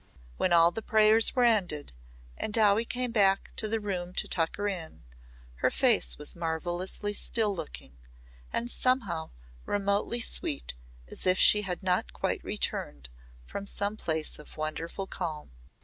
When all the prayers were ended and Dowie came back to the room to tuck her in, her face was marvellously still looking and somehow remotely sweet as if she had not quite returned from some place of wonderful calm.